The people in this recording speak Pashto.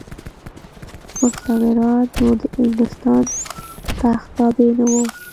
مستعمرات نور د انګلستان تخت تابع نه وو.